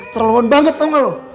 terluan banget tau gak lu